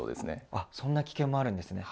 あっそんな危険もあるんですね。